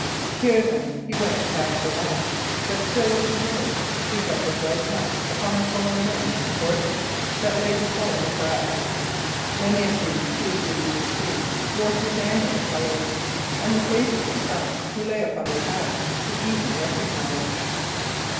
Here, then, he went the faster on; but still, as he rode, he kept a bright eye upon the fallen men and horses that lay beside the track. Many of these, he was relieved to see, wore Sir Daniel's colours, and the faces of some, who lay upon their back, he even recognised.